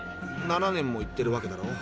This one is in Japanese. ７年も行ってるわけだろ。